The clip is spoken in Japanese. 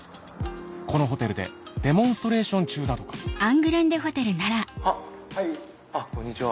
このホテルでデモンストレーション中だとかこんにちは。